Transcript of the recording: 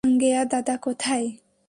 সাঙ্গেয়া দাদা কোথায়?